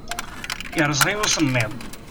Yerẓa-yi usemmiḍ.